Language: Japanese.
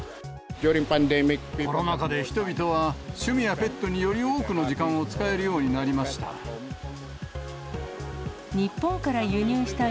コロナ禍で、人々は趣味やペットにより多くの時間を使えるようになりました。